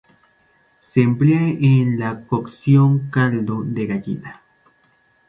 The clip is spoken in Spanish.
Se emplea en la cocción caldo de gallina.